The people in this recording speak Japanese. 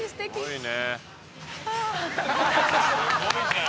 すごいじゃん。